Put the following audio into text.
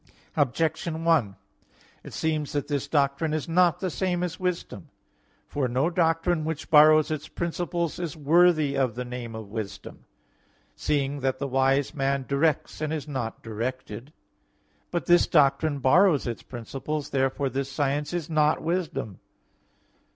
Objection 1: It seems that this doctrine is not the same as wisdom. For no doctrine which borrows its principles is worthy of the name of wisdom; seeing that the wise man directs, and is not directed (Metaph. i). But this doctrine borrows its principles. Therefore this science is not wisdom.